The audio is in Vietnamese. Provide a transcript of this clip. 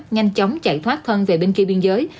nhanh chóng chạy thoát thân về bên kia biên giới